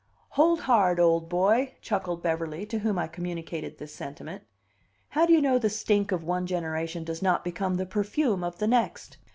"Hold hard, old boy!" chuckled Beverly, to whom I communicated this sentiment. "How do you know the stink of one generation does not become the perfume of the next?"